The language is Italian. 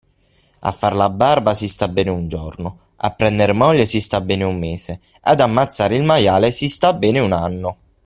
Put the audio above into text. A far la barba si sta bene un giorno, a prender moglie si sta bene un mese, ad ammazzare il maiale si sta bene un anno.